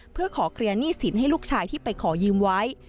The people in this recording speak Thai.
เพื่อขอเคลียร์หนี้สินให้ลูกชายที่ไปขอยืมไว้